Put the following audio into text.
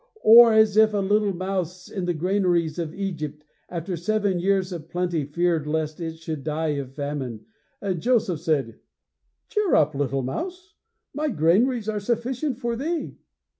Or as if a little mouse in the granaries of Egypt, after seven years of plenty, feared lest it should die of famine, and Joseph said: "Cheer up, little mouse, my granaries are sufficient for thee!"